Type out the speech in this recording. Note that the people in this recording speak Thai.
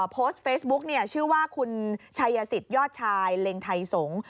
โพสต์เฟซบุ๊คชื่อว่าคุณชัยสิทธิยอดชายเล็งไทยสงศ์